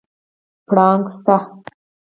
پړانګ شته؟